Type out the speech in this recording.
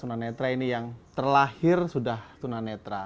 tuna netra ini yang terlahir sudah tuna netra